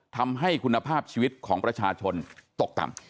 ทำให้คุณภาพชีวิตของประชาชนตกต่ำ